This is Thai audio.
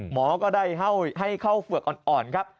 หมอก็ได้ให้เข้าเฝือกอ่อนครับ